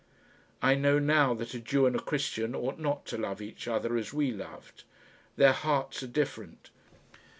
"I know now that a Jew and a Christian ought not to love each other as we loved. Their hearts are different."